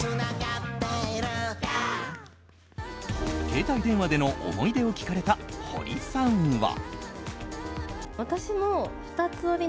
携帯電話での思い出を聞かれた堀さんは。